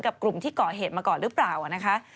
กับกลุ่มที่เกาะเหตุมาก่อนหรือเปล่านะครับ